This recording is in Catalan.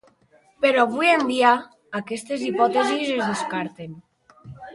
Però avui en dia aquestes hipòtesis es descarten.